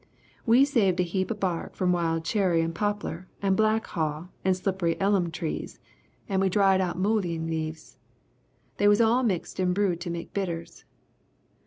"We saved a heap of bark from wild cherry and poplar and black haw and slippery ellum trees and we dried out mullein leaves. They was all mixed and brewed to make bitters.